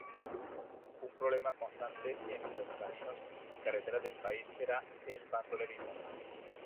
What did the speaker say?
Un problema constante en los caminos y carreteras del país era el bandolerismo.